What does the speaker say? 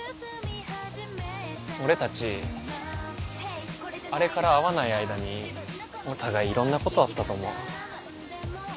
俺たちあれから会わない間にお互いいろんなことあったと思う。